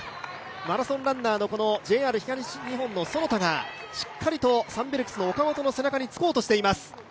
マラソンランナーのＪＲ東日本の其田がしっかりとサンベルクスの岡本の背中につこうとしています。